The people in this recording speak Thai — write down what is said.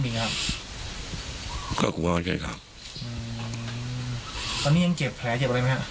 อืมตอนนี้ยังเจ็บแผลเจ็บอะไรไหมครับ